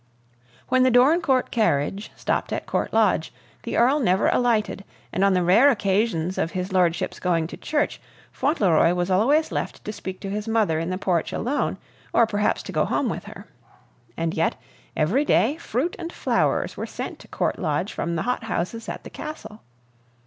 When the Dorincourt carriage stopped at Court Lodge, the Earl never alighted, and on the rare occasions of his lordship's going to church, Fauntleroy was always left to speak to his mother in the porch alone, or perhaps to go home with her. And yet, every day, fruit and flowers were sent to Court Lodge from the hot houses at the Castle.